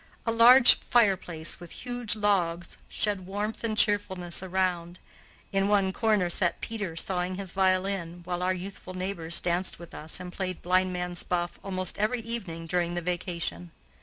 A large fireplace with huge logs shed warmth and cheerfulness around. In one corner sat Peter sawing his violin, while our youthful neighbors danced with us and played blindman's buff almost every evening during the vacation.